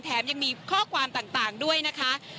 แถมยังมีข้อความต่างด้วยนะคะ